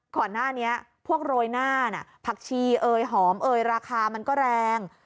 ก่อนหน้านี้พวกโรยหน้าผักชีเอ่ยหอมเอยราคามันก็แรง